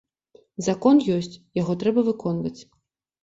Закон ёсць, яго трэба выконваць.